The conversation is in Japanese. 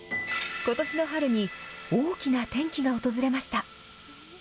ことしの春に大きな転機が訪れました。